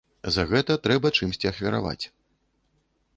За гэта трэба чымсьці ахвяраваць.